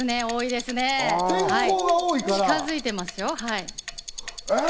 転校が近づいてますよ。